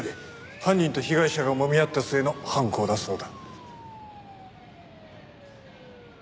犯人と被害者がもみ合った末の犯行だそうだ。